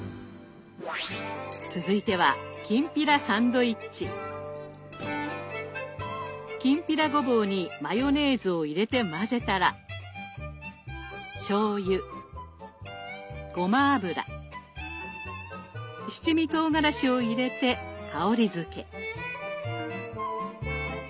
続いてはきんぴらごぼうにマヨネーズを入れて混ぜたらしょうゆごま油七味とうがらしを入れて香りづけ。